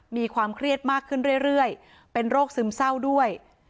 มีความเครียดมากขึ้นเรื่อยเป็นโรคซึมเศร้าด้วย